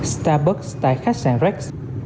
starbucks tại khách sạn rex